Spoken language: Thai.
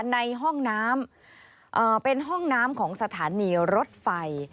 ในห้องน้ำเป็นห้องน้ำของสถานีรถไฟ